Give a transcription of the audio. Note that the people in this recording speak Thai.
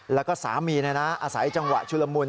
แล้วก็สามีอาศัยจังหวะชุลมุน